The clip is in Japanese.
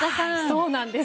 そうなんです。